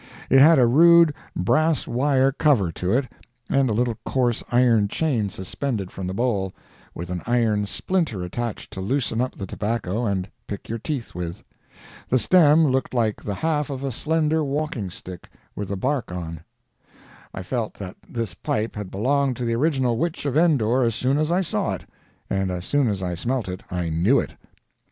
It had a rude brass wire cover to it, and a little coarse iron chain suspended from the bowl, with an iron splinter attached to loosen up the tobacco and pick your teeth with. The stem looked like the half of a slender walking stick with the bark on. I felt that this pipe had belonged to the original Witch of Endor as soon as I saw it; and as soon as I smelt it, I knew it.